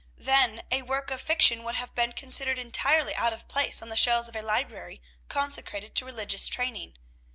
Then a work of fiction would have been considered entirely out of place on the shelves of a library consecrated to religious training.